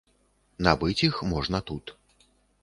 Набыць іх можна тут.